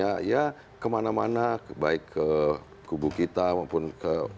ya ya kemana mana baik ke kubu kita maupun ke